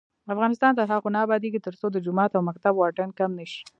افغانستان تر هغو نه ابادیږي، ترڅو د جومات او مکتب واټن کم نشي.